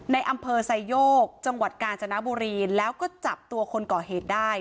ในอำเภอไซโยกจังหวัดกาญจนบุรีแล้วก็จับตัวคนก่อเหตุได้